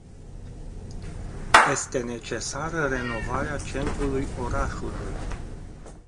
Este necesară renovarea centrului orașului.